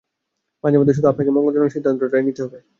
মাঝেমাঝে শুধু আপনাকে মঙ্গলজনক সিদ্ধান্তটাই নিতে হবে।